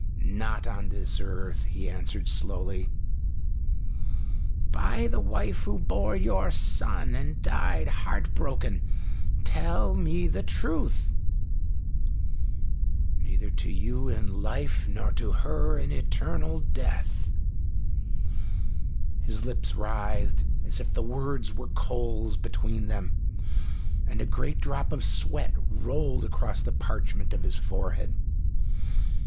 "Not on earth," he answered slowly. "By the wife who bore your son and died heartbroken, tell me the truth!" "Neither to you in life, nor to her in eternal death." His lips writhed, as if the words were coals between them, and a great drop of sweat rolled across the parchment of his forehead.